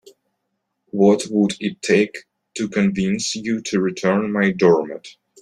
What would it take to convince you to return my doormat?